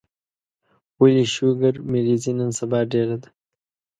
ولي شوګر مريضي نن سبا ډيره ده